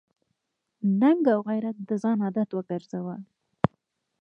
ننګ او غیرت د ځان عادت وګرځوه.